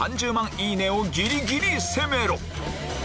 いいねをギリギリ攻めろ！